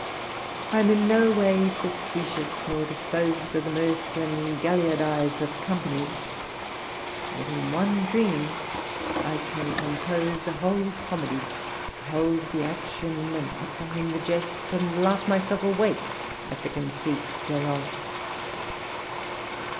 I am no way facetious, nor disposed for the mirth and galliardize of company; yet in one dream I can compose a whole comedy, behold the action, and apprehend the jests, and laugh myself awake at the conceits thereof.